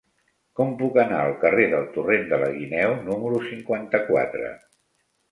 Com puc anar al carrer del Torrent de la Guineu número cinquanta-quatre?